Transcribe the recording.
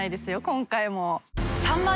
今回も。